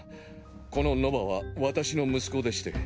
このノヴァは私の息子でして。